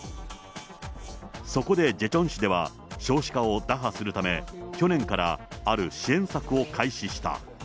そこでジェチョン市では少子化を打破するため、去年からある支援策を開始した。